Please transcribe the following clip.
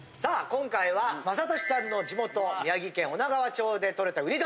今回は雅俊さんの地元宮城県女川町でとれた。